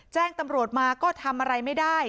แจ้งตำรวจมาก็ทำอะไรไม่ได้